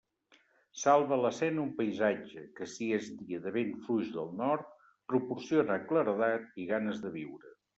Salva l'escena un paisatge, que si és dia de vent fluix del nord, proporciona claredat i ganes de viure.